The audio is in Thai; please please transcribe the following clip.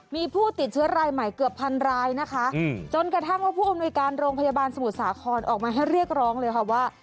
มีผู้ติดเชื้อรายใหม่เกือบพันรายนะคะจนกระทั่งว่าผู้อำนวยการโรงพยาบาลสมุทรสาครออกมาให้เรียกร้องเลยค่ะว่า